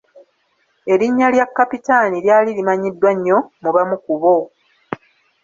Erinnya lya Kapitaani lyali limanyiddwa nnyo mu bamu ku bo.